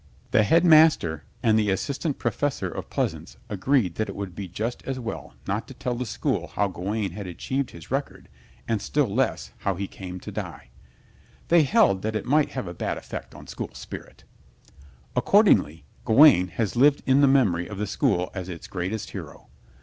The Headmaster and the Assistant Professor of Pleasaunce agreed that it would be just as well not to tell the school how Gawaine had achieved his record and still less how he came to die. They held that it might have a bad effect on school spirit. Accordingly, Gawaine has lived in the memory of the school as its greatest hero.